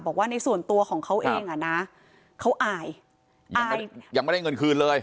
บอกว่าในส่วนตัวของเขาเองอ่ะนะเขาอายยังไม่ได้ยังไม่ได้เงินคืนเลย